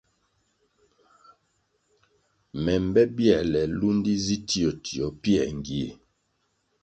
Me mbe bierle lúndi zi tio tio pięr ngie.